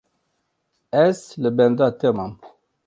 Ez li benda te mam.